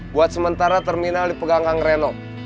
buat sementara terminal dipegang kang renom